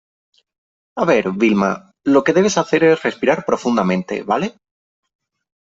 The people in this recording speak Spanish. a ver , Vilma , lo que debes hacer es respirar profundamente ,¿ vale ?